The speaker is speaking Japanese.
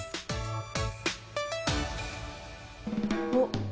おっ。